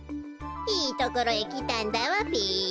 いいところへきたんだわべ。